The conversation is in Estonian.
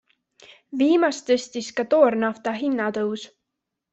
Viimast tõstis ka toornafta hinnatõus.